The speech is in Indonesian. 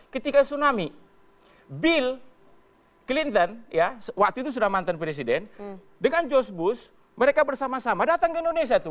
ketika tsunami bill clinton ya waktu itu sudah mantan presiden dengan george bush mereka bersama sama datang ke indonesia tuh